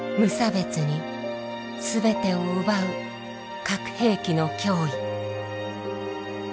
無差別に全てを奪う核兵器の脅威。